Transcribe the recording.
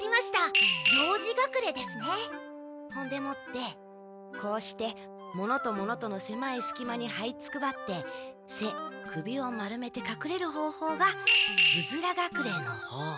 ほんでもってこうして物と物とのせまいすき間にはいつくばって背首を丸めて隠れる方法がうずら隠れの法。